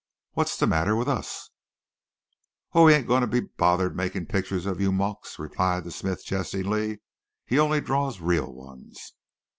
Wats the matter with us, eh?" "Oh, he ain't goin' to be bothered makin' pitchers of you mokes," replied the smith jestingly. "He only draws real ones.